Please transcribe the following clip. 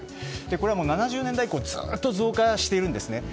これは７０年代以降ずっと増加しているんですね。